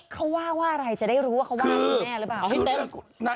เขาว่าว่าอะไรจะได้รู้ว่าเขาว่าคุณแม่หรือเปล่า